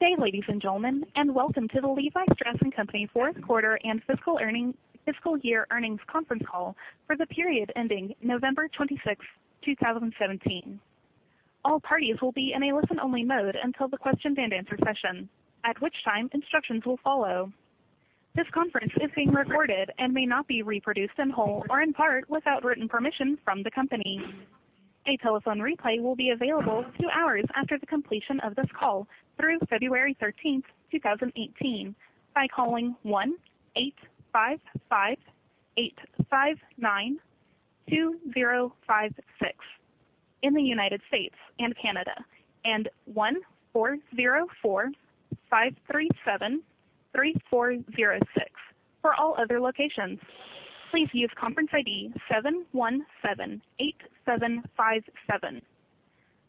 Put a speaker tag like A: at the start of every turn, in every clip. A: Good day, ladies and gentlemen, and welcome to the Levi Strauss & Co fourth quarter and fiscal year earnings conference call for the period ending November 26, 2017. All parties will be in a listen-only mode until the question and answer session, at which time instructions will follow. This conference is being recorded and may not be reproduced in whole or in part without written permission from the company. A telephone replay will be available two hours after the completion of this call through February 13th, 2018, by calling 1-855-859-2056 in the United States and Canada, and 1-404-537-3406 for all other locations. Please use conference ID 7178757.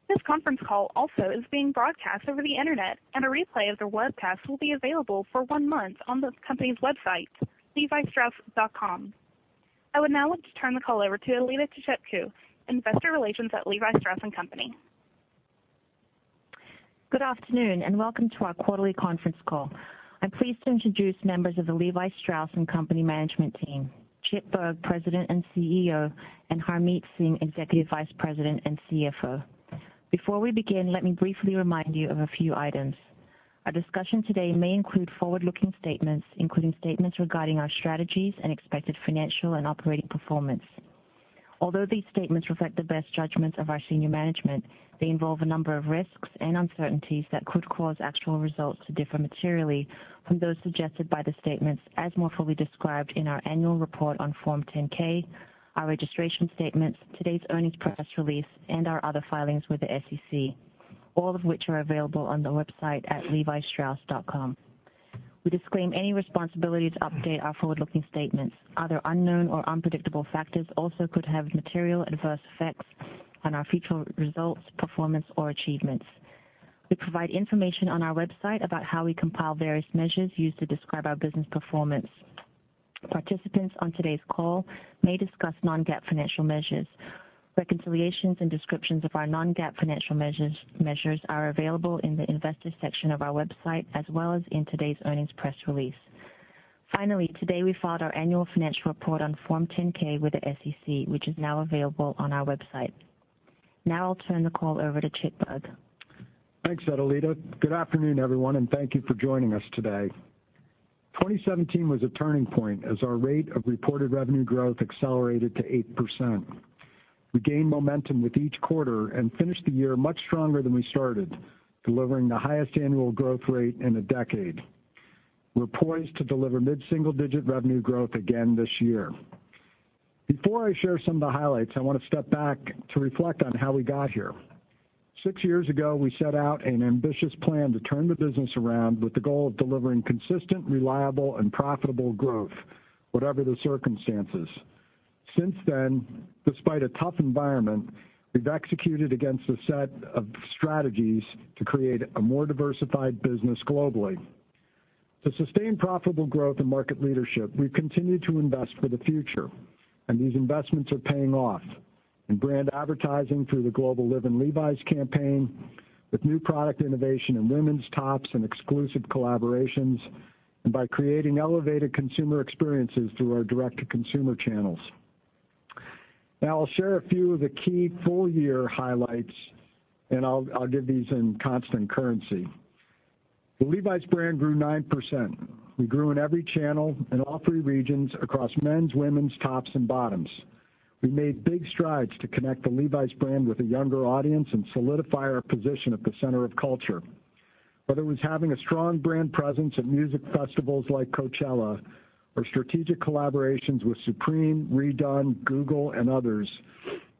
A: This conference call also is being broadcast over the internet, and a replay of the webcast will be available for one month on the company's website, levistrauss.com. I would now like to turn the call over to Edelita Tichepco, Investor Relations at Levi Strauss & Co.
B: Good afternoon, and welcome to our quarterly conference call. I'm pleased to introduce members of the Levi Strauss & Co management team, Chip Bergh, President and CEO, and Harmit Singh, Executive Vice President and CFO. Before we begin, let me briefly remind you of a few items. Our discussion today may include forward-looking statements, including statements regarding our strategies and expected financial and operating performance. Although these statements reflect the best judgments of our senior management, they involve a number of risks and uncertainties that could cause actual results to differ materially from those suggested by the statements, as more fully described in our annual report on Form 10-K, our registration statements, today's earnings press release, and our other filings with the SEC, all of which are available on the website at levistrauss.com. We disclaim any responsibility to update our forward-looking statements. Other unknown or unpredictable factors also could have material adverse effects on our future results, performance, or achievements. We provide information on our website about how we compile various measures used to describe our business performance. Participants on today's call may discuss non-GAAP financial measures. Reconciliations and descriptions of our non-GAAP financial measures are available in the Investors section of our website, as well as in today's earnings press release. Today we filed our annual financial report on Form 10-K with the SEC, which is now available on our website. I'll turn the call over to Chip Bergh.
C: Thanks, Adelita. Good afternoon, everyone, and thank you for joining us today. 2017 was a turning point as our rate of reported revenue growth accelerated to 8%. We gained momentum with each quarter and finished the year much stronger than we started, delivering the highest annual growth rate in a decade. We're poised to deliver mid-single-digit revenue growth again this year. Before I share some of the highlights, I want to step back to reflect on how we got here. Six years ago, we set out an ambitious plan to turn the business around with the goal of delivering consistent, reliable, and profitable growth, whatever the circumstances. Since then, despite a tough environment, we've executed against a set of strategies to create a more diversified business globally. To sustain profitable growth and market leadership, we've continued to invest for the future. These investments are paying off. In brand advertising through the global Live in Levi's campaign, with new product innovation in women's tops and exclusive collaborations, by creating elevated consumer experiences through our direct-to-consumer channels. Now I'll share a few of the key full-year highlights. I'll give these in constant currency. The Levi's brand grew 9%. We grew in every channel, in all three regions, across men's, women's, tops, and bottoms. We made big strides to connect the Levi's brand with a younger audience and solidify our position at the center of culture. Whether it was having a strong brand presence at music festivals like Coachella or strategic collaborations with Supreme, RE/DONE, Google, and others,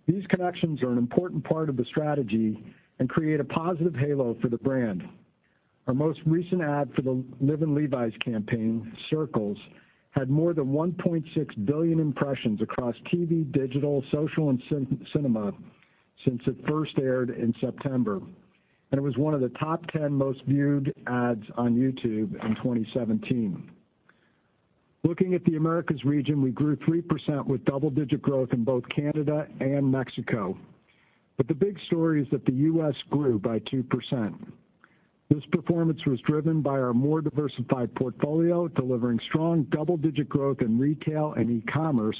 C: these connections are an important part of the strategy and create a positive halo for the brand. Our most recent ad for the Live in Levi's campaign, Circles, had more than 1.6 billion impressions across TV, digital, social, and cinema since it first aired in September. It was one of the top 10 most viewed ads on YouTube in 2017. Looking at the Americas region, we grew 3% with double-digit growth in both Canada and Mexico. The big story is that the U.S. grew by 2%. This performance was driven by our more diversified portfolio, delivering strong double-digit growth in retail and e-commerce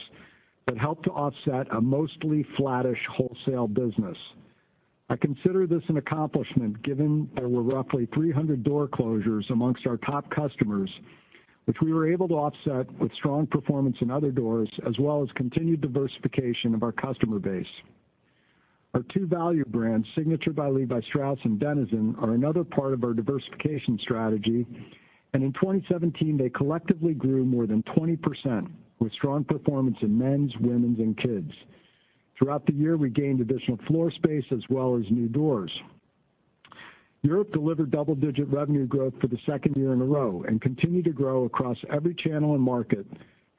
C: that helped to offset a mostly flattish wholesale business. I consider this an accomplishment given there were roughly 300 door closures amongst our top customers, which we were able to offset with strong performance in other doors, as well as continued diversification of our customer base. Our two value brands, Signature by Levi Strauss and DENIZEN, are another part of our diversification strategy. In 2017, they collectively grew more than 20%, with strong performance in men's, women's, and kids. Throughout the year, we gained additional floor space as well as new doors. Europe delivered double-digit revenue growth for the second year in a row and continued to grow across every channel and market,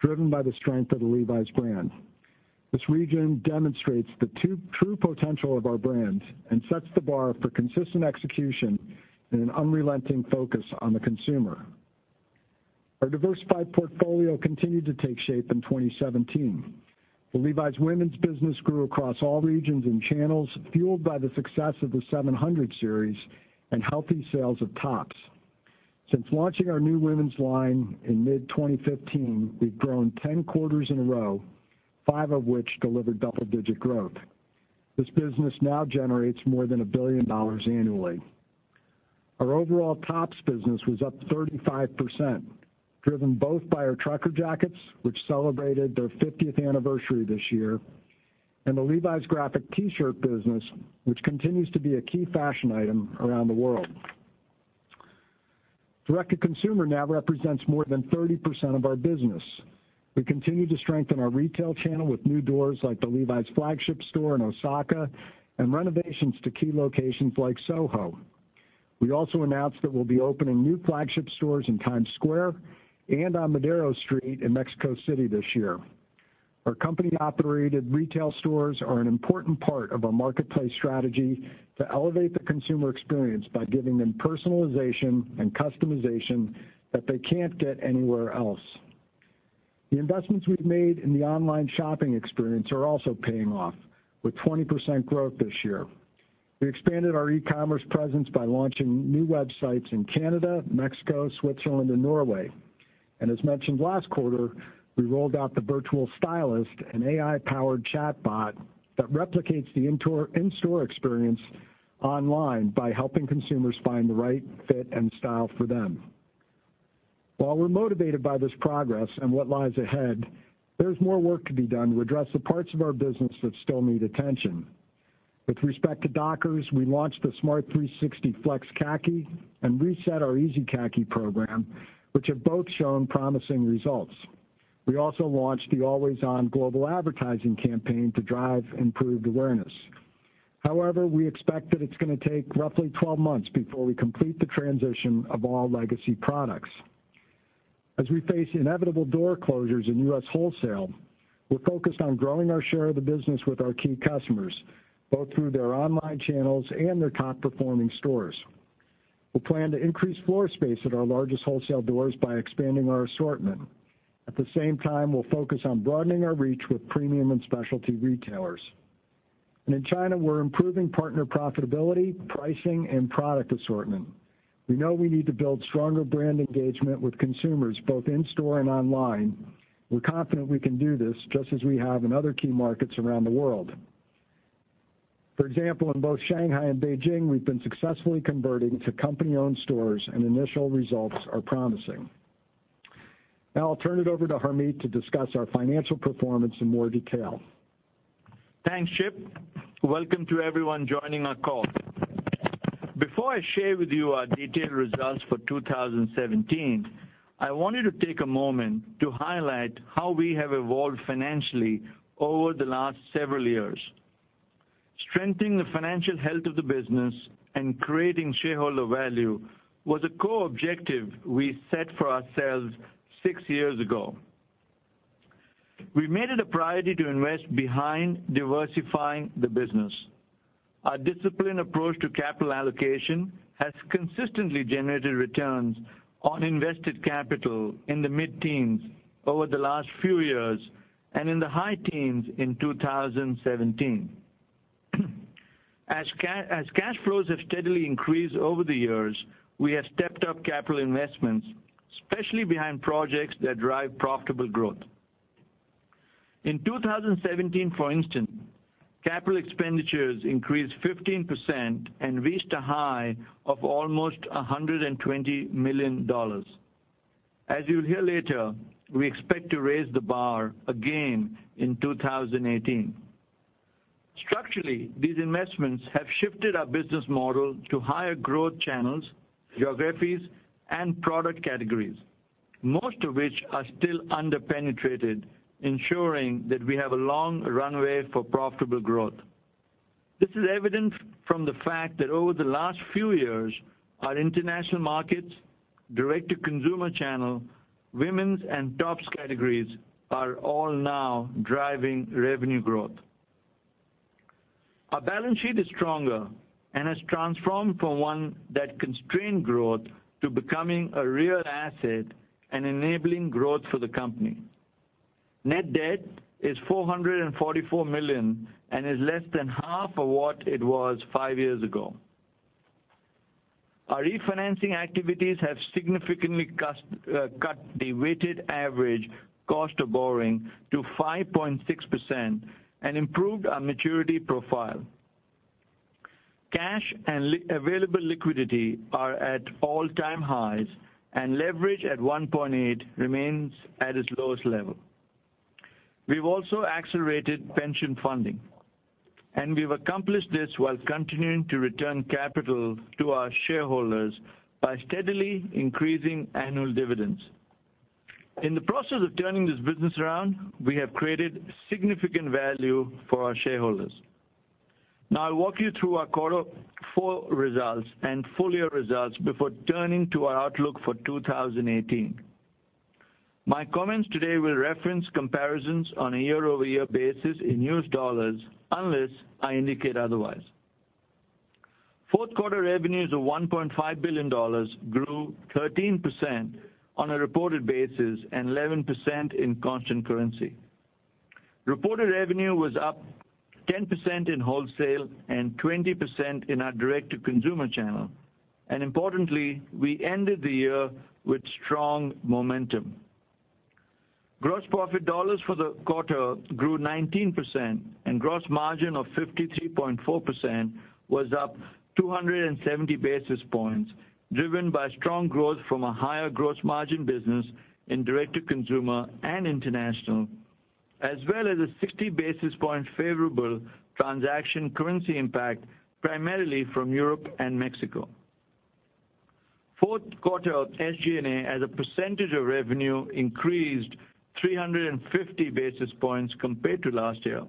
C: driven by the strength of the Levi's brand. This region demonstrates the true potential of our brands and sets the bar for consistent execution and an unrelenting focus on the consumer. Our diversified portfolio continued to take shape in 2017. The Levi's women's business grew across all regions and channels, fueled by the success of the 700 Series and healthy sales of tops. Since launching our new women's line in mid-2015, we've grown 10 quarters in a row, five of which delivered double-digit growth. This business now generates more than $1 billion annually. Our overall tops business was up 35%, driven both by our Trucker Jackets, which celebrated their 50th anniversary this year, and the Levi's graphic T-shirt business, which continues to be a key fashion item around the world. Direct to consumer now represents more than 30% of our business. We continue to strengthen our retail channel with new doors like the Levi's flagship store in Osaka and renovations to key locations like Soho. We also announced that we'll be opening new flagship stores in Times Square and on Madero Street in Mexico City this year. Our company-operated retail stores are an important part of our marketplace strategy to elevate the consumer experience by giving them personalization and customization that they can't get anywhere else. The investments we've made in the online shopping experience are also paying off, with 20% growth this year. We expanded our e-commerce presence by launching new websites in Canada, Mexico, Switzerland, and Norway. As mentioned last quarter, we rolled out the Virtual Stylist, an AI-powered chatbot that replicates the in-store experience online by helping consumers find the right fit and style for them. While we're motivated by this progress and what lies ahead, there's more work to be done to address the parts of our business that still need attention. With respect to Dockers, we launched the Smart 360 FLEX Khaki and reset our Easy Khaki program, which have both shown promising results. We also launched the Always On global advertising campaign to drive improved awareness. However, we expect that it's going to take roughly 12 months before we complete the transition of all legacy products. As we face inevitable door closures in U.S. wholesale, we're focused on growing our share of the business with our key customers, both through their online channels and their top-performing stores. We plan to increase floor space at our largest wholesale doors by expanding our assortment. At the same time, we'll focus on broadening our reach with premium and specialty retailers. In China, we're improving partner profitability, pricing, and product assortment. We know we need to build stronger brand engagement with consumers both in-store and online. We're confident we can do this, just as we have in other key markets around the world. For example, in both Shanghai and Beijing, we've been successfully converting to company-owned stores, and initial results are promising. Now I'll turn it over to Harmit to discuss our financial performance in more detail.
D: Thanks, Chip. Welcome to everyone joining our call. Before I share with you our detailed results for 2017, I wanted to take a moment to highlight how we have evolved financially over the last several years. Strengthening the financial health of the business and creating shareholder value was a core objective we set for ourselves six years ago. We made it a priority to invest behind diversifying the business. Our disciplined approach to capital allocation has consistently generated returns on invested capital in the mid-teens over the last few years, and in the high teens in 2017. As cash flows have steadily increased over the years, we have stepped up capital investments, especially behind projects that drive profitable growth. In 2017, for instance, capital expenditures increased 15% and reached a high of almost $120 million. As you'll hear later, we expect to raise the bar again in 2018. Structurally, these investments have shifted our business model to higher growth channels, geographies, and product categories, most of which are still under-penetrated, ensuring that we have a long runway for profitable growth. This is evident from the fact that over the last few years, our international markets, direct-to-consumer channel, women's and tops categories are all now driving revenue growth. Our balance sheet is stronger and has transformed from one that constrained growth to becoming a real asset and enabling growth for the company. Net debt is $444 million and is less than half of what it was five years ago. Our refinancing activities have significantly cut the weighted average cost of borrowing to 5.6% and improved our maturity profile. Cash and available liquidity are at all-time highs, and leverage at 1.8 remains at its lowest level. We've also accelerated pension funding, we've accomplished this while continuing to return capital to our shareholders by steadily increasing annual dividends. In the process of turning this business around, we have created significant value for our shareholders. I'll walk you through our quarter four results and full-year results before turning to our outlook for 2018. My comments today will reference comparisons on a year-over-year basis in U.S. dollars unless I indicate otherwise. Fourth quarter revenues of $1.5 billion grew 13% on a reported basis and 11% in constant currency. Reported revenue was up 10% in wholesale and 20% in our direct-to-consumer channel. Importantly, we ended the year with strong momentum. Gross profit dollars for the quarter grew 19% and gross margin of 53.4% was up 270 basis points, driven by strong growth from a higher gross margin business in direct-to-consumer and international, as well as a 60 basis point favorable transaction currency impact, primarily from Europe and Mexico. Fourth quarter SG&A as a percentage of revenue increased 350 basis points compared to last year.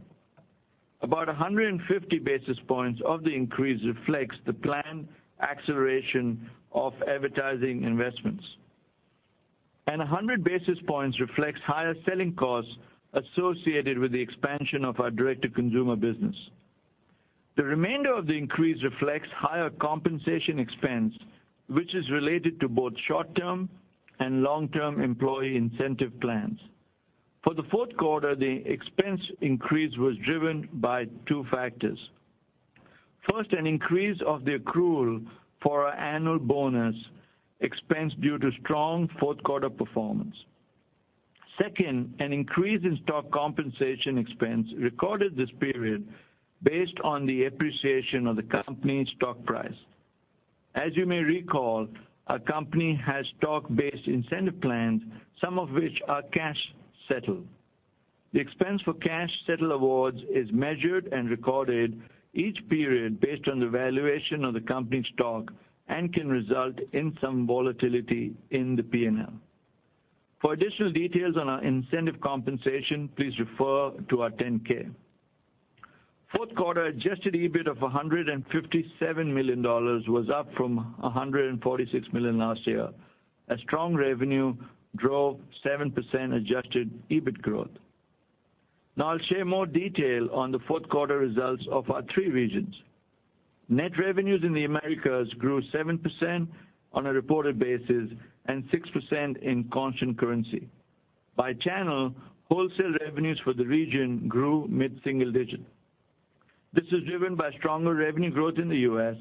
D: About 150 basis points of the increase reflects the planned acceleration of advertising investments. 100 basis points reflects higher selling costs associated with the expansion of our direct-to-consumer business. The remainder of the increase reflects higher compensation expense, which is related to both short-term and long-term employee incentive plans. For the fourth quarter, the expense increase was driven by two factors. First, an increase of the accrual for our annual bonus expense due to strong fourth-quarter performance. Second, an increase in stock compensation expense recorded this period based on the appreciation of the company's stock price. As you may recall, our company has stock-based incentive plans, some of which are cash-settled. The expense for cash-settled awards is measured and recorded each period based on the valuation of the company's stock and can result in some volatility in the P&L. For additional details on our incentive compensation, please refer to our 10-K. Fourth quarter adjusted EBIT of $157 million was up from $146 million last year. A strong revenue drove 7% adjusted EBIT growth. I'll share more detail on the fourth quarter results of our three regions. Net revenues in the Americas grew 7% on a reported basis and 6% in constant currency. By channel, wholesale revenues for the region grew mid-single digit. This is driven by stronger revenue growth in the U.S.,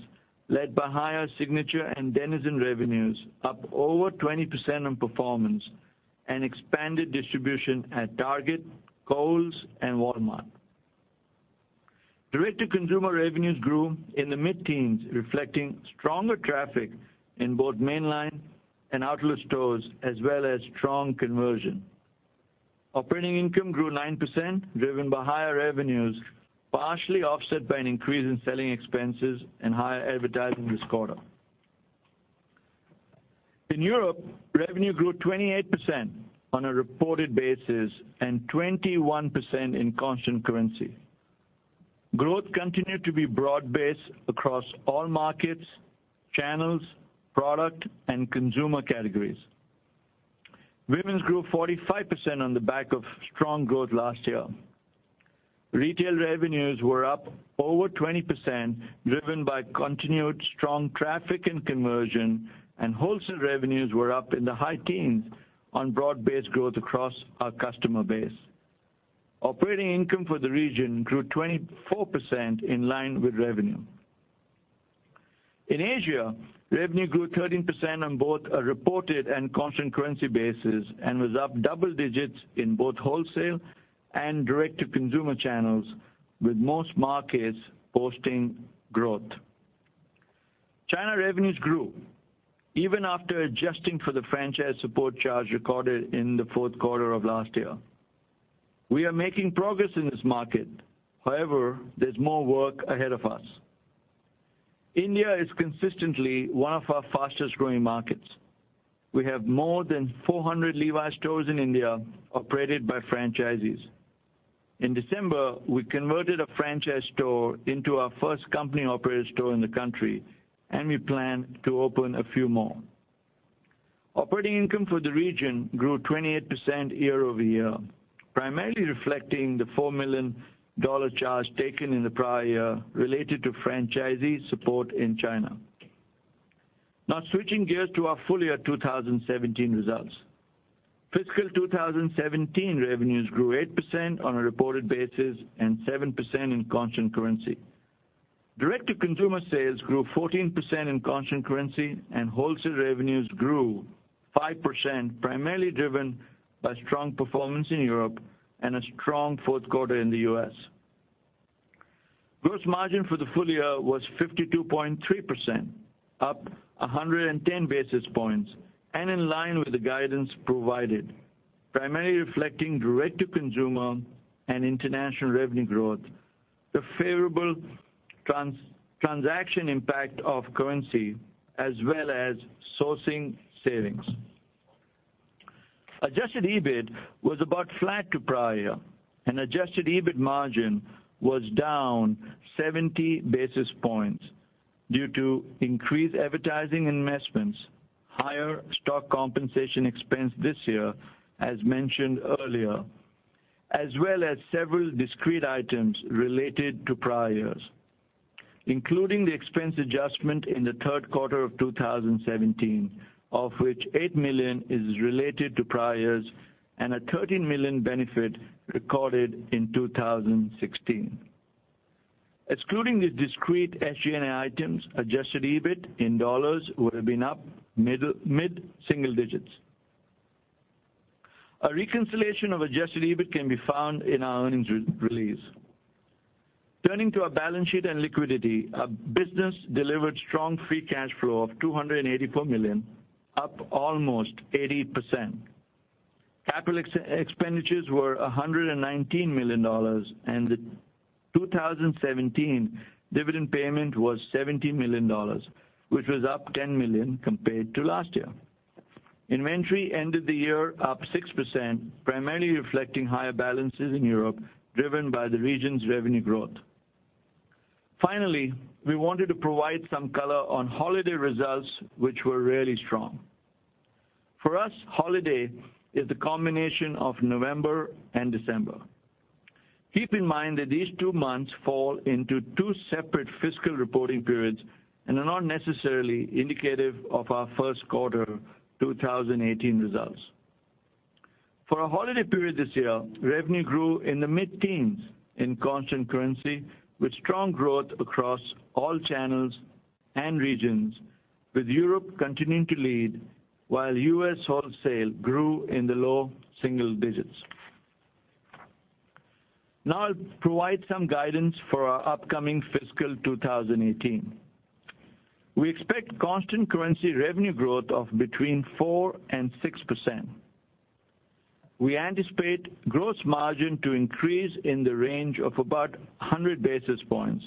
D: led by higher Signature and DENIZEN revenues up over 20% on performance and expanded distribution at Target, Kohl's, and Walmart. Direct-to-consumer revenues grew in the mid-teens, reflecting stronger traffic in both mainline and outlet stores, as well as strong conversion. Operating income grew 9%, driven by higher revenues, partially offset by an increase in selling expenses and higher advertising this quarter. In Europe, revenue grew 28% on a reported basis and 21% in constant currency. Growth continued to be broad-based across all markets, channels, product, and consumer categories. Women's grew 45% on the back of strong growth last year. Retail revenues were up over 20%, driven by continued strong traffic and conversion, and wholesale revenues were up in the high teens on broad-based growth across our customer base. Operating income for the region grew 24% in line with revenue. In Asia, revenue grew 13% on both a reported and constant currency basis and was up double digits in both wholesale and direct-to-consumer channels with most markets posting growth. China revenues grew even after adjusting for the franchise support charge recorded in the fourth quarter of last year. We are making progress in this market. However, there's more work ahead of us. India is consistently one of our fastest-growing markets. We have more than 400 Levi's stores in India operated by franchisees. In December, we converted a franchise store into our first company-operated store in the country, and we plan to open a few more. Operating income for the region grew 28% year-over-year, primarily reflecting the $4 million charge taken in the prior year related to franchisee support in China. Switching gears to our full year 2017 results. Fiscal 2017 revenues grew 8% on a reported basis and 7% in constant currency. Direct-to-consumer sales grew 14% in constant currency and wholesale revenues grew 5%, primarily driven by strong performance in Europe and a strong fourth quarter in the U.S. Gross margin for the full year was 52.3%, up 110 basis points, and in line with the guidance provided, primarily reflecting direct-to-consumer and international revenue growth, the favorable transaction impact of currency, as well as sourcing savings. Adjusted EBIT was about flat to prior and adjusted EBIT margin was down 70 basis points due to increased advertising investments, higher stock compensation expense this year as mentioned earlier, as well as several discrete items related to priors, including the expense adjustment in the third quarter of 2017, of which $8 million is related to priors and a $13 million benefit recorded in 2016. Excluding these discrete SG&A items, adjusted EBIT in dollars would have been up mid-single digits. A reconciliation of adjusted EBIT can be found in our earnings release. Turning to our balance sheet and liquidity, our business delivered strong free cash flow of $284 million, up almost 80%. Capital expenditures were $119 million and the 2017 dividend payment was $70 million, which was up $10 million compared to last year. Inventory ended the year up 6%, primarily reflecting higher balances in Europe, driven by the region's revenue growth. Finally, we wanted to provide some color on holiday results, which were really strong. For us, holiday is the combination of November and December. Keep in mind that these two months fall into two separate fiscal reporting periods and are not necessarily indicative of our first quarter 2018 results. For our holiday period this year, revenue grew in the mid-teens in constant currency with strong growth across all channels and regions, with Europe continuing to lead while U.S. wholesale grew in the low single digits. I'll provide some guidance for our upcoming fiscal 2018. We expect constant currency revenue growth of between 4% and 6%. We anticipate gross margin to increase in the range of about 100 basis points,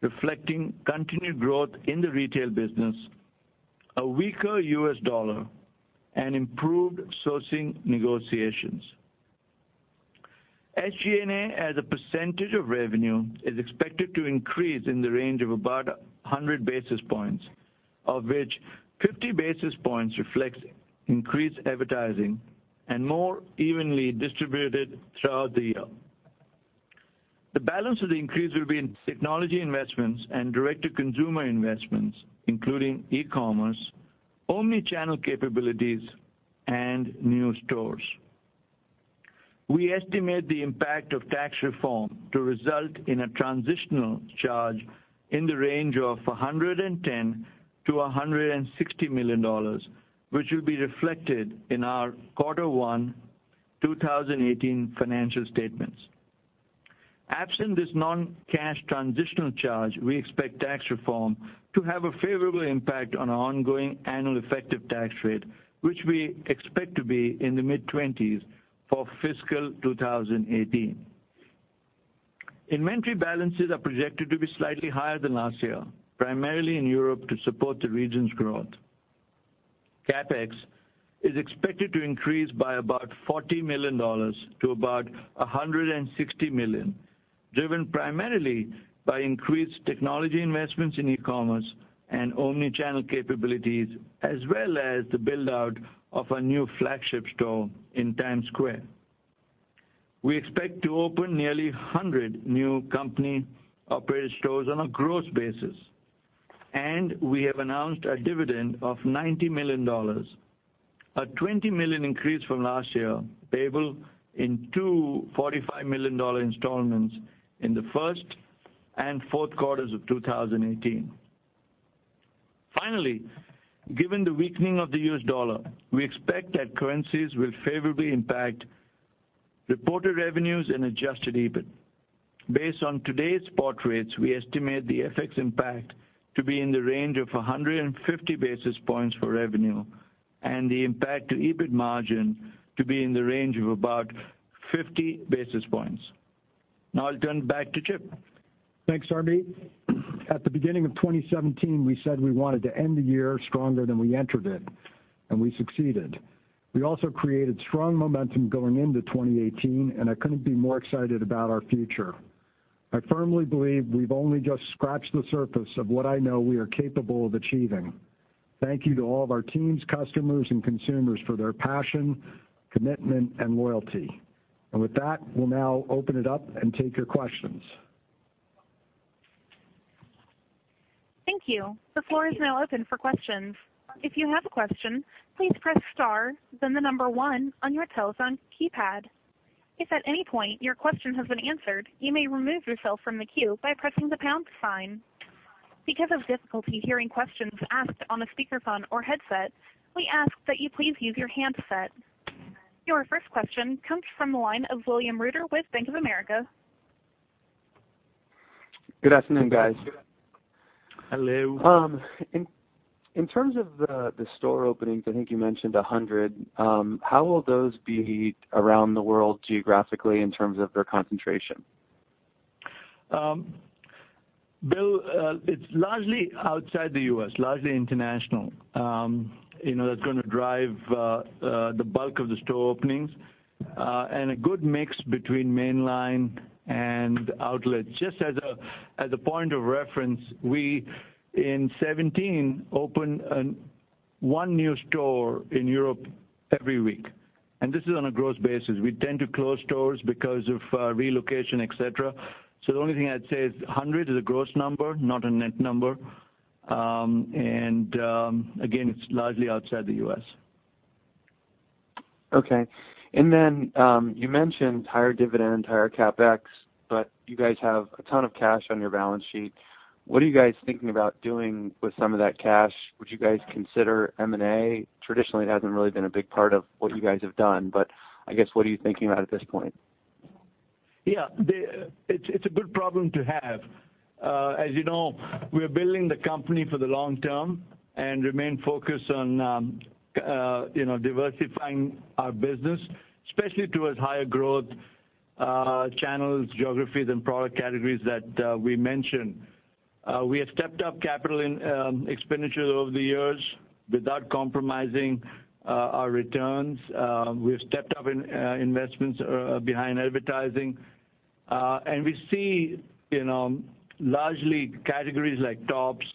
D: reflecting continued growth in the retail business, a weaker U.S. dollar, and improved sourcing negotiations. SG&A as a percentage of revenue is expected to increase in the range of about 100 basis points, of which 50 basis points reflects increased advertising and more evenly distributed throughout the year. The balance of the increase will be in technology investments and direct-to-consumer investments, including e-commerce, omni-channel capabilities, and new stores. We estimate the impact of tax reform to result in a transitional charge in the range of $110 million to $160 million, which will be reflected in our quarter one 2018 financial statements. Absent this non-cash transitional charge, we expect tax reform to have a favorable impact on our ongoing annual effective tax rate, which we expect to be in the mid-20s for fiscal 2018. Inventory balances are projected to be slightly higher than last year, primarily in Europe to support the region's growth. CapEx is expected to increase by about $40 million to about $160 million, driven primarily by increased technology investments in e-commerce and omni-channel capabilities, as well as the build-out of a new flagship store in Times Square. We expect to open nearly 100 new company-operated stores on a gross basis, and we have announced a dividend of $90 million, a $20 million increase from last year, payable in two $45 million installments in the first and fourth quarters of 2018. Finally, given the weakening of the U.S. dollar, we expect that currencies will favorably impact reported revenues and adjusted EBIT. Based on today's spot rates, we estimate the FX impact to be in the range of 150 basis points for revenue and the impact to EBIT margin to be in the range of about 50 basis points. I'll turn it back to Chip.
C: Thanks, Harmit. At the beginning of 2017, we said we wanted to end the year stronger than we entered it, and we succeeded. We also created strong momentum going into 2018, and I couldn't be more excited about our future. I firmly believe we've only just scratched the surface of what I know we are capable of achieving. Thank you to all of our teams, customers, and consumers for their passion, commitment, and loyalty. With that, we'll now open it up and take your questions.
A: Thank you. The floor is now open for questions. If you have a question, please press star then the number 1 on your telephone keypad. If at any point your question has been answered, you may remove yourself from the queue by pressing the pound sign. Because of difficulty hearing questions asked on a speakerphone or headset, we ask that you please use your handset. Your first question comes from the line of William Reuter with Bank of America.
E: Good afternoon, guys.
D: Hello.
E: In terms of the store openings, I think you mentioned 100. How will those be around the world geographically in terms of their concentration?
D: Bill, it's largely outside the U.S., largely international. That's going to drive the bulk of the store openings, and a good mix between mainline and outlet. Just as a point of reference, we in 2017 opened one new store in Europe every week, and this is on a gross basis. We tend to close stores because of relocation, et cetera. The only thing I'd say is 100 is a gross number, not a net number. Again, it's largely outside the U.S.
E: Okay. You mentioned higher dividend, higher CapEx, you guys have a ton of cash on your balance sheet. What are you guys thinking about doing with some of that cash? Would you guys consider M&A? Traditionally, it hasn't really been a big part of what you guys have done, what are you thinking about at this point?
D: Yeah. It's a good problem to have. As you know, we are building the company for the long term and remain focused on diversifying our business, especially towards higher growth channels, geographies, and product categories that we mentioned. We have stepped up capital expenditures over the years without compromising our returns. We've stepped up investments behind advertising. We see largely categories like tops,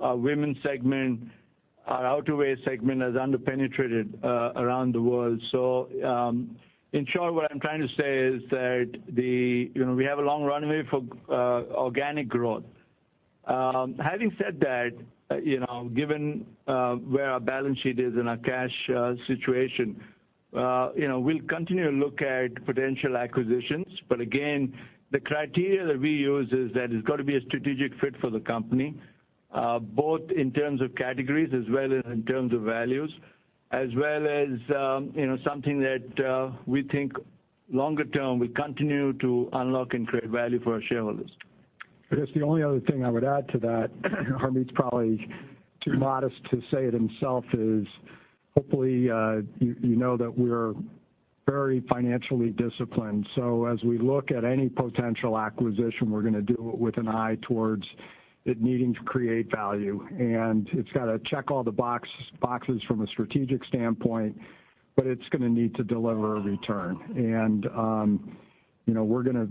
D: our women's segment, our outerwear segment as under-penetrated around the world. In short, what I'm trying to say is that we have a long runway for organic growth. Having said that, given where our balance sheet is and our cash situation, we'll continue to look at potential acquisitions. Again, the criteria that we use is that it's got to be a strategic fit for the company, both in terms of categories as well as in terms of values, as well as something that we think longer term will continue to unlock and create value for our shareholders.
C: I guess the only other thing I would add to that, Harmit's probably too modest to say it himself, is hopefully you know that we're very financially disciplined. As we look at any potential acquisition, we're going to do it with an eye towards it needing to create value. It's got to check all the boxes from a strategic standpoint, but it's going to need to deliver a return. We're going to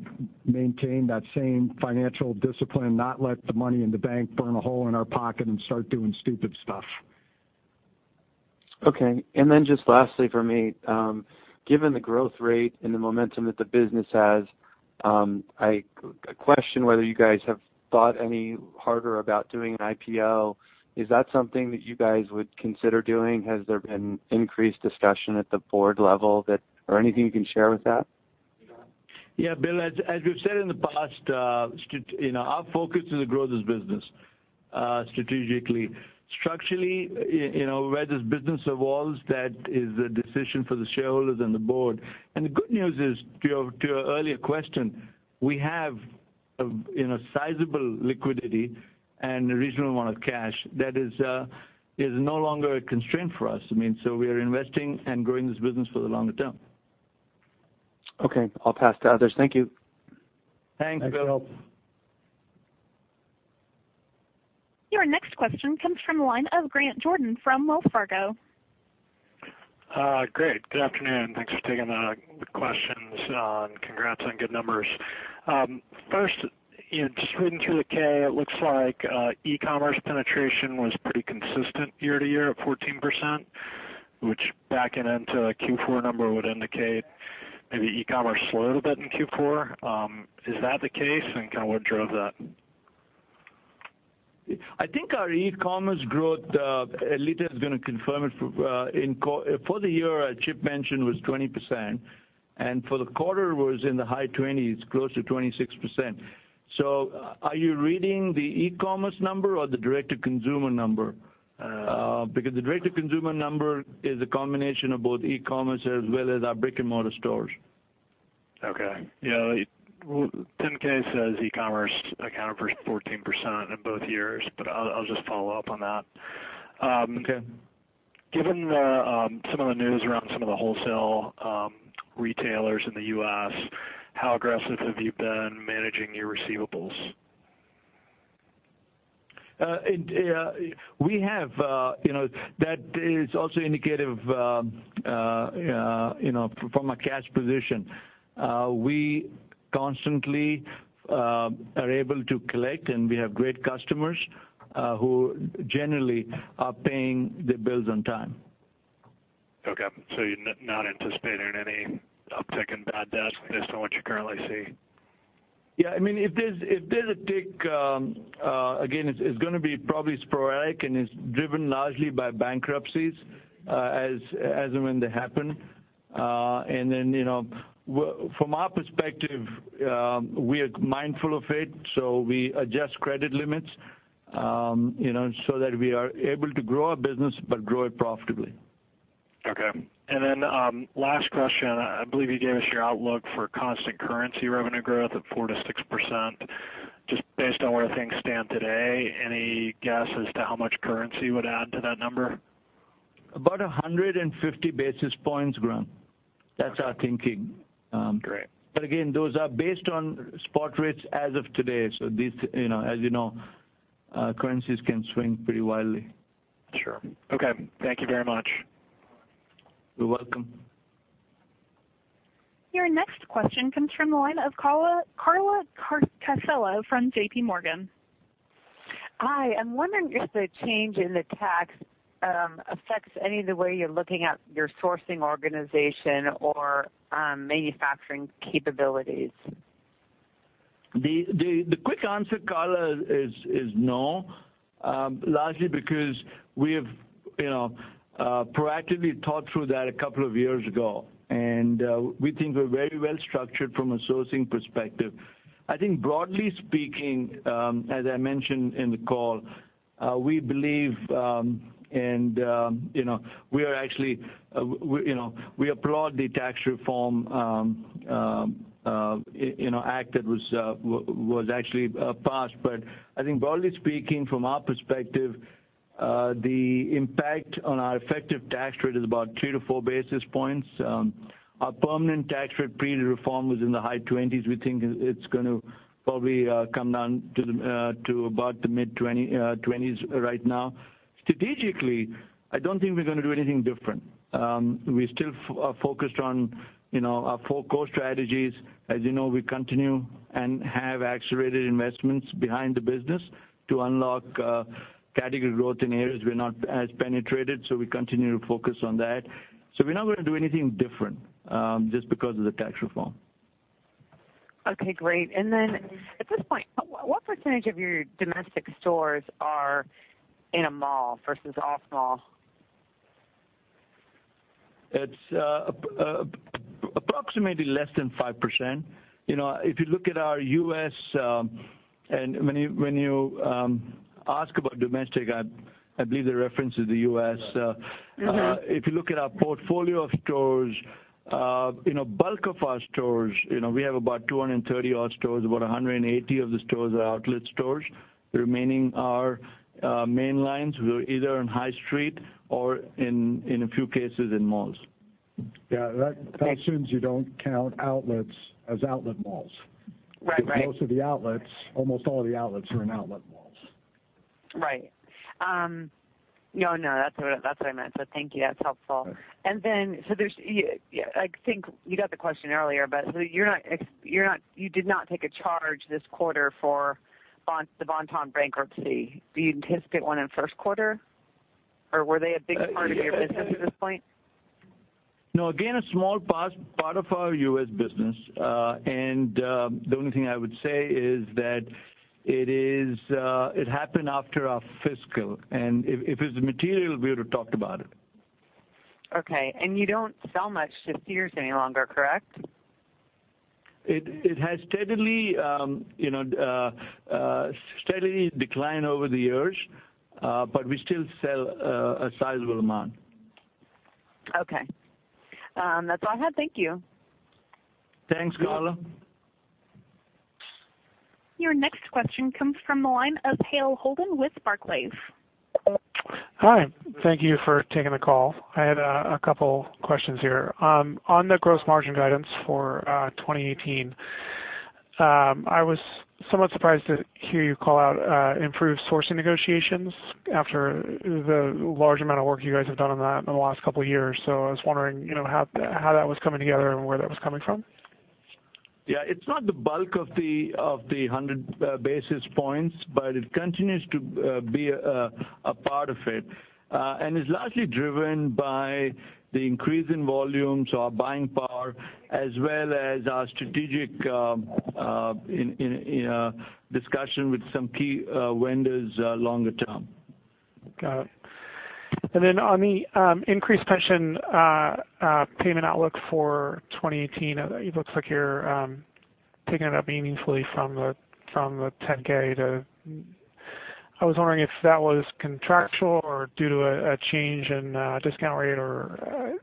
C: maintain that same financial discipline, not let the money in the bank burn a hole in our pocket and start doing stupid stuff.
E: Okay. Just lastly for me, given the growth rate and the momentum that the business has, a question whether you guys have thought any harder about doing an IPO. Is that something that you guys would consider doing? Has there been increased discussion at the board level or anything you can share with that?
D: Yeah, Bill, as we've said in the past, our focus is to grow this business strategically. Structurally, where this business evolves, that is a decision for the shareholders and the board. The good news is, to your earlier question, we have sizable liquidity and a reasonable amount of cash that is no longer a constraint for us. We are investing and growing this business for the longer term.
E: Okay. I'll pass to others. Thank you.
D: Thanks, Bill.
C: Thanks, Bill.
A: Your next question comes from the line of Grant Jordan from Wells Fargo.
F: Great. Good afternoon. Thanks for taking the questions, and congrats on good numbers. First, just reading through the K, it looks like e-commerce penetration was pretty consistent year-over-year at 14%, which backing into a Q4 number would indicate maybe e-commerce slowed a bit in Q4. Is that the case, and what drove that?
D: I think our e-commerce growth, Edelita is going to confirm it, for the year, Chip mentioned, was 20%, and for the quarter was in the high 20s, close to 26%. Are you reading the e-commerce number or the direct-to-consumer number? Because the direct-to-consumer number is a combination of both e-commerce as well as our brick-and-mortar stores.
F: Okay. Yeah. Well, 10-K says e-commerce accounted for 14% in both years, I'll just follow up on that.
D: Okay.
F: Given some of the news around some of the wholesale retailers in the U.S., how aggressive have you been managing your receivables?
D: That is also indicative from a cash position. We constantly are able to collect, and we have great customers who generally are paying their bills on time.
F: Okay. You're not anticipating any uptick in bad debt based on what you currently see?
D: Yeah. If there's a tick, again, it's going to be probably sporadic, and it's driven largely by bankruptcies as and when they happen. From our perspective, we are mindful of it, we adjust credit limits so that we are able to grow our business but grow it profitably.
F: Okay. Last question, I believe you gave us your outlook for constant currency revenue growth at 4%-6%. Just based on where things stand today, any guess as to how much currency would add to that number?
D: About 150 basis points, Grant. That's our thinking.
F: Great.
D: Again, those are based on spot rates as of today. As you know, currencies can swing pretty wildly.
F: Sure. Okay. Thank you very much.
D: You're welcome.
A: Your next question comes from the line of Carla Casella from JP Morgan.
G: Hi. I'm wondering if the change in the tax affects any of the way you're looking at your sourcing organization or manufacturing capabilities.
D: The quick answer, Carla, is no. Largely because we have proactively thought through that a couple of years ago, and we think we're very well-structured from a sourcing perspective. I think broadly speaking, as I mentioned in the call, we applaud the tax reform act that was actually passed. I think broadly speaking, from our perspective, the impact on our effective tax rate is about three to four basis points. Our permanent tax rate pre the reform was in the high 20s. We think it's going to probably come down to about the mid-20s right now. Strategically, I don't think we're going to do anything different. We still are focused on our four core strategies. As you know, we continue and have accelerated investments behind the business to unlock category growth in areas we're not as penetrated. We continue to focus on that. We're not going to do anything different just because of the tax reform.
G: Okay, great. Then at this point, what % of your domestic stores are in a mall versus off mall?
D: It's approximately less than 5%. If you look at our U.S., when you ask about domestic, I believe the reference is the U.S. If you look at our portfolio of stores, bulk of our stores, we have about 230 odd stores. About 180 of the stores are outlet stores. The remaining are main lines. We're either on High Street or, in a few cases, in malls.
C: Yeah. That assumes you don't count outlets as outlet malls.
G: Right.
C: Most of the outlets, almost all the outlets, are in outlet malls.
G: Right. No, that's what I meant. Thank you. That's helpful.
C: Okay.
G: Then, I think you got the question earlier, you did not take a charge this quarter for the Bon-Ton bankruptcy. Do you anticipate one in the first quarter, were they a big part of your business at this point?
D: No. Again, a small part of our U.S. business. The only thing I would say is that it happened after our fiscal, and if it's material, we would've talked about it.
G: Okay. You don't sell much to Sears any longer, correct?
D: It has steadily declined over the years. We still sell a sizable amount.
G: Okay. That's all I had. Thank you.
D: Thanks, Carla.
A: Your next question comes from the line of Hale Holden with Barclays.
H: Hi. Thank you for taking the call. I had a couple questions here. On the gross margin guidance for 2018, I was somewhat surprised to hear you call out improved sourcing negotiations after the large amount of work you guys have done on that in the last couple of years. I was wondering how that was coming together and where that was coming from.
D: Yeah. It's not the bulk of the 100 basis points, but it continues to be a part of it. It's largely driven by the increase in volume, so our buying power, as well as our strategic discussion with some key vendors longer term.
H: Got it. On the increased pension payment outlook for 2018, it looks like you're picking it up meaningfully from the 10-K to I was wondering if that was contractual or due to a change in discount rate, or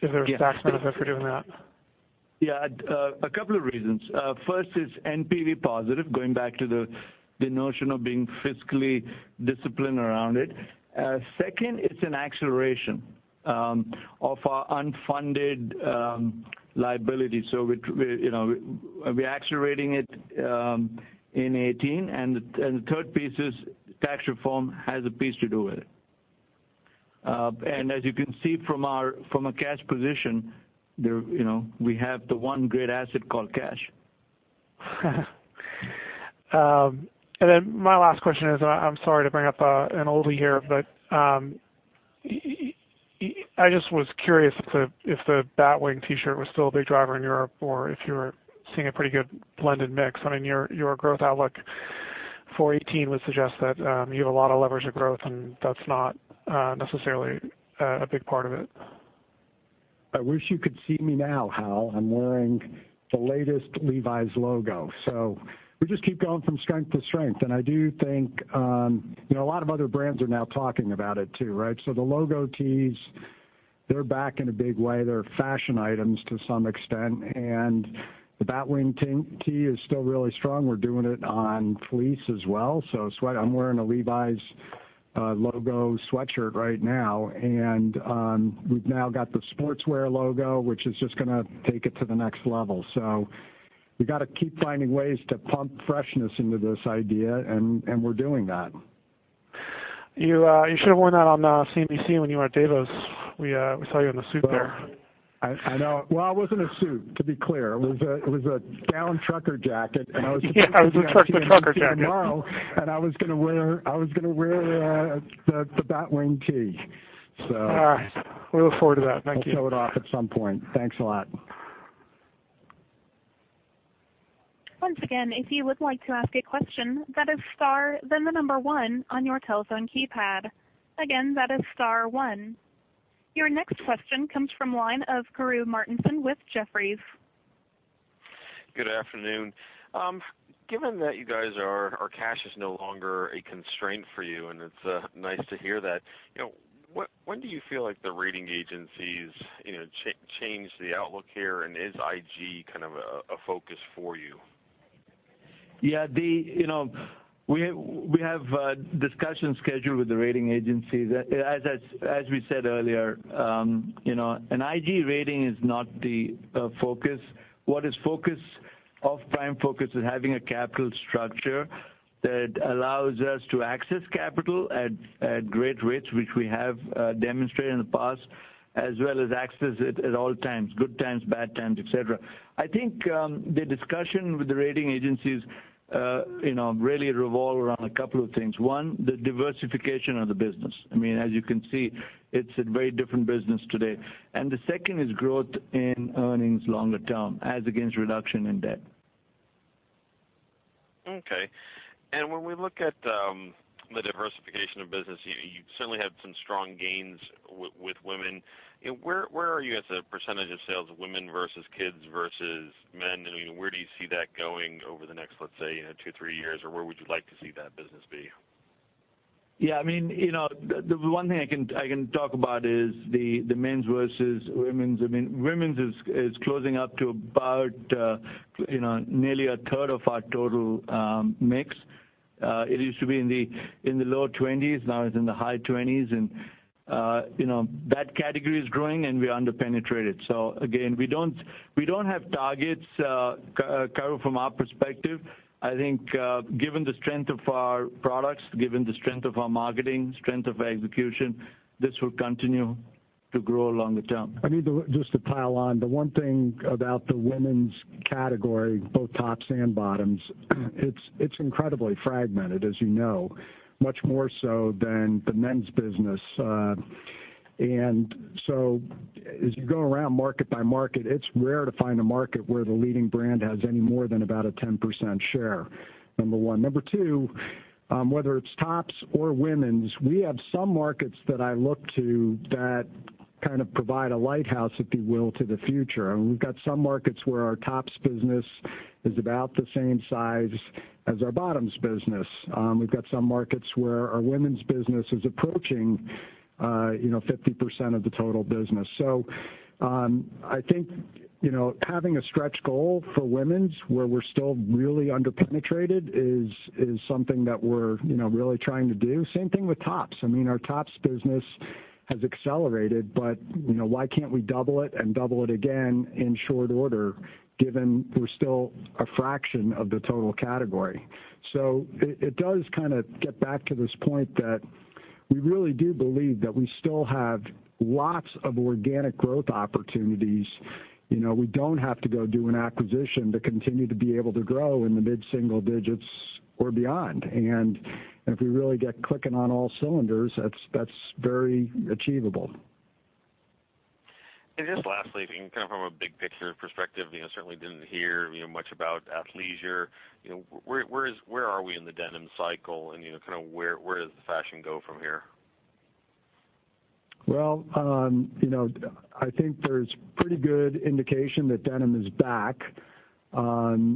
H: is there a tax benefit for doing that?
D: Yeah. A couple of reasons. First, it's NPV positive, going back to the notion of being fiscally disciplined around it. Second, it's an acceleration of our unfunded liability. We're accelerating it in 2018. The third piece is tax reform has a piece to do with it. As you can see from a cash position, we have the one great asset called cash.
H: My last question is, I'm sorry to bring up an oldie here, but I just was curious if the Batwing T-shirt was still a big driver in Europe, or if you're seeing a pretty good blended mix. Your growth outlook for 2018 would suggest that you have a lot of levers of growth, and that's not necessarily a big part of it.
C: I wish you could see me now, Hal. I'm wearing the latest Levi's logo. We just keep going from strength to strength. I do think a lot of other brands are now talking about it too, right? The logo tees, they're back in a big way. They're fashion items to some extent, and the Batwing tee is still really strong. We're doing it on fleece as well. I'm wearing a Levi's logo sweatshirt right now, and we've now got the Sportswear Logo, which is just going to take it to the next level. We got to keep finding ways to pump freshness into this idea, and we're doing that.
H: You should have worn that on CNBC when you were at Davos. We saw you in the suit there.
C: I know. I was in a suit, to be clear. It was a down Trucker Jacket.
H: Yeah. I was in the Trucker Jacket
C: I was going to wear the Batwing tee.
H: All right. We look forward to that. Thank you.
C: I'll show it off at some point. Thanks a lot.
A: Once again, if you would like to ask a question, that is star then the number one on your telephone keypad. Again, that is star one. Your next question comes from line of Karru Martinson with Jefferies.
I: Good afternoon. Given that you guys, cash is no longer a constraint for you, it's nice to hear that. When do you feel like the rating agencies change the outlook here, is IG a focus for you?
D: Yeah. We have a discussion scheduled with the rating agency. As we said earlier, an IG rating is not the focus. What is focus of Prime Focus is having a capital structure that allows us to access capital at great rates, which we have demonstrated in the past, as well as access at all times, good times, bad times, et cetera. I think the discussion with the rating agencies really revolve around a couple of things. One, the diversification of the business. As you can see, it's a very different business today. The second is growth in earnings longer term as against reduction in debt.
I: Okay. When we look at the diversification of business, you certainly have some strong gains with women. Where are you as a percentage of sales of women versus kids versus men? Where do you see that going over the next, let's say, two, three years, or where would you like to see that business be?
D: Yeah. The one thing I can talk about is the men's versus women's. Women's is closing up to about nearly a third of our total mix. It used to be in the lower 20s, now it's in the high 20s. That category is growing and we're under-penetrated. Again, we don't have targets, Karu, from our perspective. I think given the strength of our products, given the strength of our marketing, strength of execution, this will continue to grow longer term.
C: Just to pile on, the one thing about the women's category, both tops and bottoms, it's incredibly fragmented, as you know, much more so than the men's business. As you go around market by market, it's rare to find a market where the leading brand has any more than about a 10% share, number one. Number two, whether it's tops or women's, we have some markets that I look to that provide a lighthouse, if you will, to the future. We've got some markets where our tops business is about the same size as our bottoms business. We've got some markets where our women's business is approaching 50% of the total business. I think having a stretch goal for women's where we're still really under-penetrated is something that we're really trying to do. Same thing with tops. Our tops business has accelerated, but why can't we double it and double it again in short order given we're still a fraction of the total category? It does get back to this point that we really do believe that we still have lots of organic growth opportunities. We don't have to go do an acquisition to continue to be able to grow in the mid-single digits or beyond. If we really get clicking on all cylinders, that's very achievable.
I: Just lastly, from a big picture perspective, certainly didn't hear much about athleisure. Where are we in the denim cycle and where does the fashion go from here?
C: I think there's pretty good indication that denim is back. We've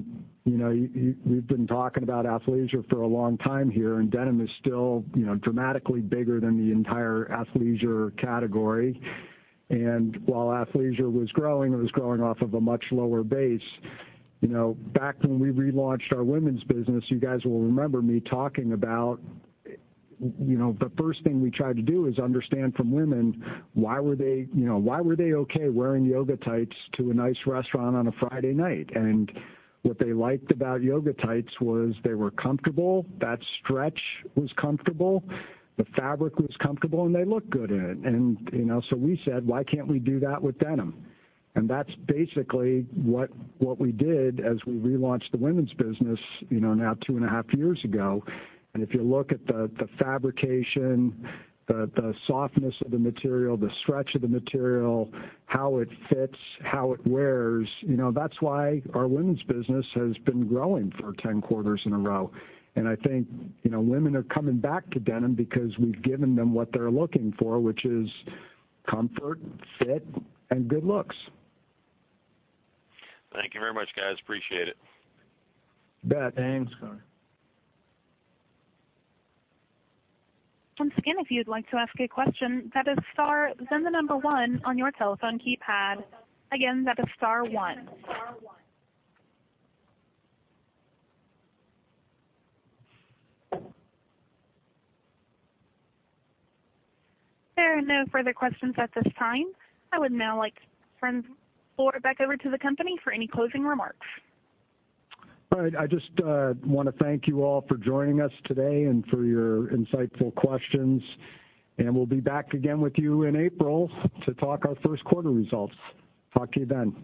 C: been talking about athleisure for a long time here, denim is still dramatically bigger than the entire athleisure category. While athleisure was growing, it was growing off of a much lower base. Back when we relaunched our women's business, you guys will remember me talking about the first thing we tried to do is understand from women why were they okay wearing yoga tights to a nice restaurant on a Friday night. What they liked about yoga tights was they were comfortable, that stretch was comfortable, the fabric was comfortable, they look good in it. We said, "Why can't we do that with denim?" That's basically what we did as we relaunched the women's business now two and a half years ago. If you look at the fabrication, the softness of the material, the stretch of the material, how it fits, how it wears, that's why our women's business has been growing for 10 quarters in a row. I think women are coming back to denim because we've given them what they're looking for, which is comfort, fit, and good looks.
I: Thank you very much, guys. Appreciate it.
C: You bet. Thanks, Karu.
A: Once again, if you'd like to ask a question, that is star then the number one on your telephone keypad. Again, that is star one. There are no further questions at this time. I would now like to turn the floor back over to the company for any closing remarks.
C: All right. I just want to thank you all for joining us today and for your insightful questions. We'll be back again with you in April to talk our first quarter results. Talk to you then.